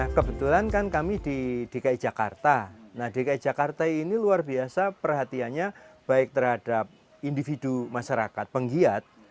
nah kebetulan kan kami di dki jakarta nah dki jakarta ini luar biasa perhatiannya baik terhadap individu masyarakat penggiat